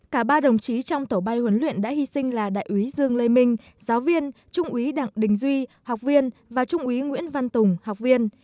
cả ba đồng chí trong tổ bay huấn luyện đã hy sinh là đại úy dương lê minh giáo viên trung úy đặng đình duy học viên và trung úy nguyễn văn tùng học viên